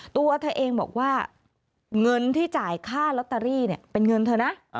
ตัวเธอเองบอกว่าเงินที่จ่ายค่าลอตเตอรี่เป็นเงินเธอนะ